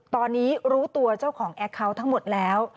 ตอนนี้รู้ตัวเจ้าของแอคเคาน์ทั้งหมดแล้ว